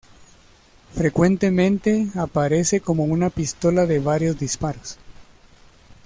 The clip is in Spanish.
Frecuentemente aparece como una pistola de varios disparos.